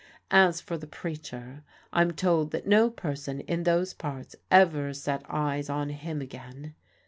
As for the preacher, I'm told that no person in these parts ever set eyes on him again.